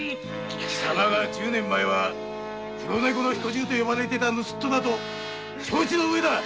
貴様が「黒猫の彦十」と呼ばれてた盗っ人と承知の上だ。